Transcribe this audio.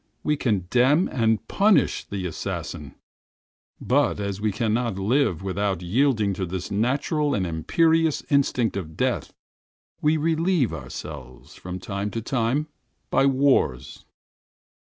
We condemn and punish the assassin! But as we cannot live without yielding to this natural and imperious instinct of death, we relieve ourselves, from time to time, by wars.